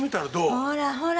ほらほら。